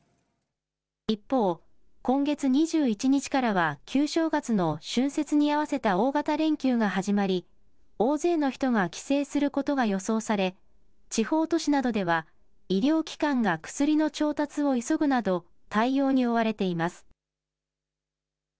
一方、今月２１日からは旧正月の春節に合わせた大型連休が始まり、大勢の人が帰省することが予想され、地方都市などでは、医療機関が薬の調達を急ぐなど、対応に追われています。